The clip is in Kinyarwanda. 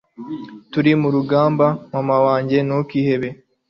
Turi murugamba mama wanjye ntukihebe